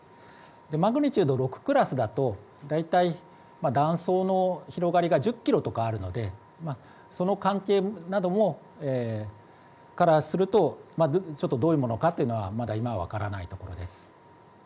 マグニチュード６クラスだとだいたい断層の広がりが１０キロとかあるのでその関係などからするとどういうものかはまだ今は分からないところです。